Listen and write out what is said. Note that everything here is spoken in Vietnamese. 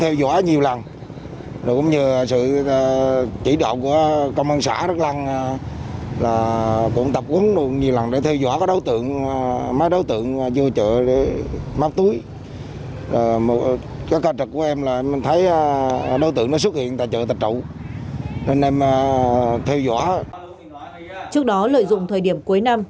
trước đó lợi dụng thời điểm cuối năm